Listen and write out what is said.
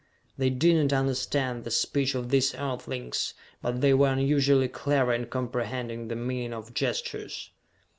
They did not understand the speech of these Earthlings, but they were unusually clever in comprehending the meaning of gestures.